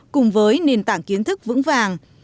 cùng với nền tảng kiến thức vững vàng